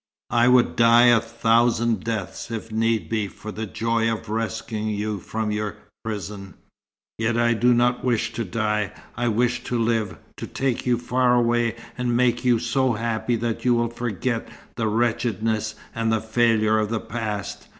I would die a thousand deaths if need be for the joy of rescuing you from your prison. Yet I do not wish to die. I wish to live, to take you far away and make you so happy that you will forget the wretchedness and failure of the past.